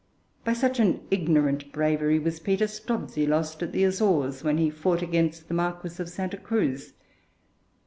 By such an ignorant bravery was Peter Strozzi lost at the Azores, when he fought against the Marquis of Santa Cruz.